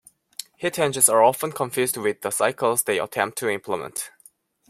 Heat engines are often confused with the cycles they attempt to implement.